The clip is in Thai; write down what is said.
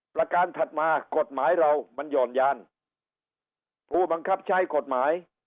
ประการถัดมากฎหมายเรามันหย่อนยานผู้บังคับใช้กฎหมาย